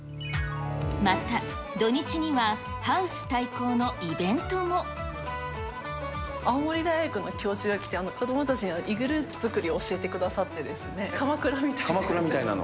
また土日には、青森大学の教授が来て、子どもたちにイグルー作りを教えてくださってですね、かまくらみかまくらみたいなもの。